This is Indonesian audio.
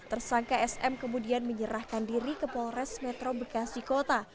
tersangka sm kemudian menyerahkan diri ke polres metro bekasi kota